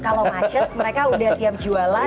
kalau macet mereka udah siap jualan